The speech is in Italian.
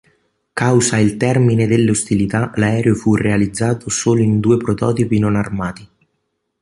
Causa il termine delle ostilità, l'aereo fu realizzato solo in due prototipi non armati.